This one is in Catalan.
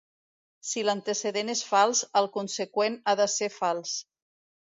Si l'antecedent és fals, el conseqüent ha de ser fals.